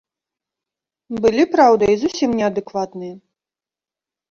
Былі, праўда, і зусім неадэкватныя.